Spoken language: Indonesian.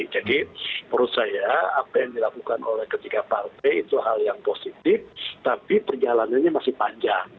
jadi menurut saya apa yang dilakukan oleh ketiga partai itu hal yang positif tapi perjalanannya masih panjang